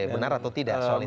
benar atau tidak soal itu